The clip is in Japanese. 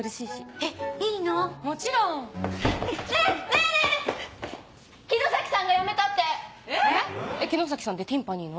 えっ⁉木之崎さんってティンパニの？